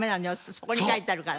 底に書いてあるから。